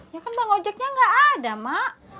ya kan bang ojaknya gak ada mak